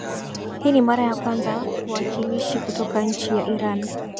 hii ni mara ya kwanza waakilishi kutoka nchi ya iran